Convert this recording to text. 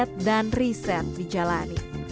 kita dari tukang jadi